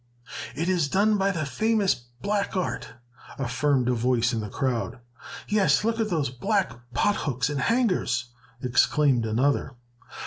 "It is done by the famous black art!" affirmed a voice in the crowd. "Yes, look at those black pot hooks and hangers!" exclaimed another.